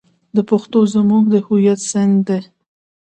پښتو زموږ د هویت سند دی.